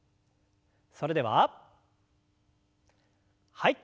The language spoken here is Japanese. それでははい。